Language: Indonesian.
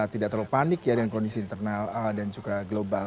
tidak terlalu panik ya dengan kondisi internal dan juga global